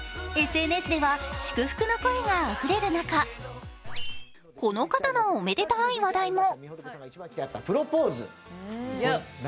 ＳＮＳでは祝福の声があふれる中この方のおめでたい話題も。